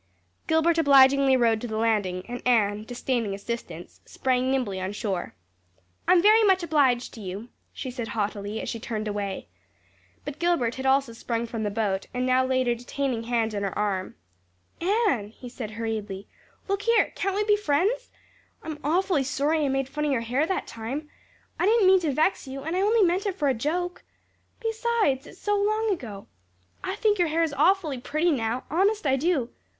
Gilbert obligingly rowed to the landing and Anne, disdaining assistance, sprang nimbly on shore. "I'm very much obliged to you," she said haughtily as she turned away. But Gilbert had also sprung from the boat and now laid a detaining hand on her arm. "Anne," he said hurriedly, "look here. Can't we be good friends? I'm awfully sorry I made fun of your hair that time. I didn't mean to vex you and I only meant it for a joke. Besides, it's so long ago. I think your hair is awfully pretty now honest I do.